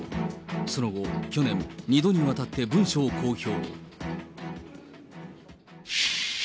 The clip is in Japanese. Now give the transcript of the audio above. その後、去年、２度にわたって文書を公表。